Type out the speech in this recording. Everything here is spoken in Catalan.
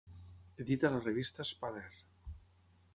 Edita la revista Spanner.